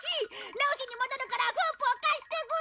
直しに戻るからフープを貸してくれ！